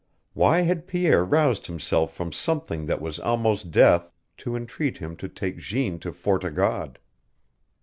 Why had Pierre roused himself from something that was almost death to entreat him to take Jeanne to Fort o' God?